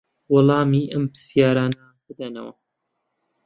وەڵامی ئەم پرسیارانە بدەنەوە